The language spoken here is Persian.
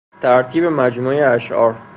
ترتیب مجموعهُ اشعار